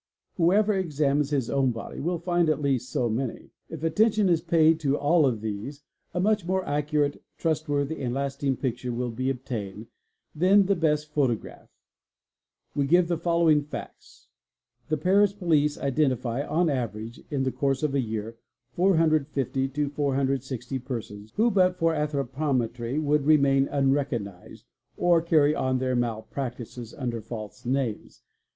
Whoever examines his own body will find at least so many. If attention is paid to all of these a much more accurate, trust worthy, and lasting picture will be obtained then the best photograph We give the following facts :—The Paris police identify on an average in the course of a year 450 to 460 persons who, but for Anthropometry would remain unrecognised or carry on their malpractices under fals names.